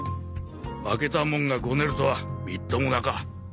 負けたもんがゴネるとはみっともなか。